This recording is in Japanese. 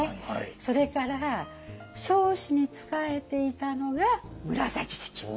それから彰子に仕えていたのが紫式部。